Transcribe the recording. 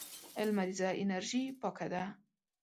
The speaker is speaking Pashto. لمريزه انرژي پاکه ده.